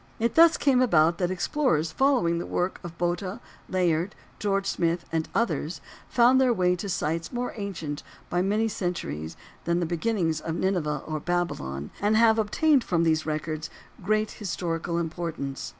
It thus came about that explorers following the work of Botta, Layard, George Smith and others, found their way to sites more ancient by many centuries than the beginnings of Nineveh or Babylon, and have obtained from these records of great historical importance.